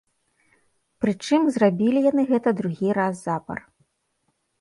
Прычым, зрабілі яны гэта другі раз запар.